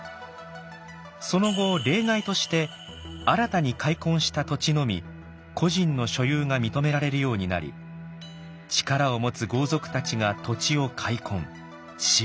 その後例外として新たに開墾した土地のみ個人の所有が認められるようになり力を持つ豪族たちが土地を開墾私有地にしました。